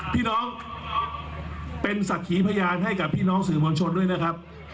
พี่น้องเป็นศักดิ์ขีพยานให้กับพี่น้องสื่อมวลชนด้วยนะครับ